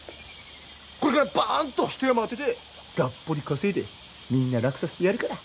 これからバーンと一山当ててがっぽり稼いでみんな楽させてやるから。